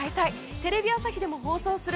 テレビ朝日でも放送する